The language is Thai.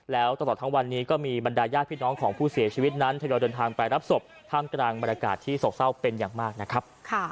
แล้วตลอดทั้งวันนี้ก็มีบรรดายญาติพี่น้องของผู้เสียชีวิตนั้นทยอยเดินทางไปรับศพท่ามกลางบรรยากาศที่โศกเศร้าเป็นอย่างมากนะครับ